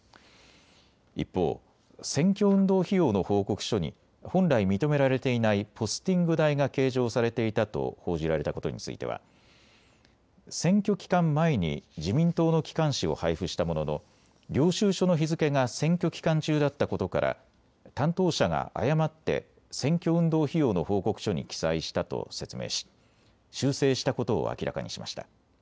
一方、選挙運動費用の報告書に本来、認められていないポスティング代が計上されていたと報じられたことについては選挙期間前に自民党の機関紙を配布したものの領収書の日付が選挙期間中だったことから担当者が誤って選挙運動費用の報告書に記載したと説明し修正したことを明らかにしました。